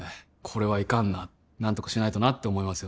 これはいかんな何とかしないとなって思いますよね